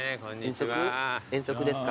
遠足ですか？